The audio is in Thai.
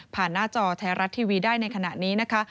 หน้าจอไทยรัฐทีวีได้ในขณะนี้นะคะ